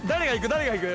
誰がいく？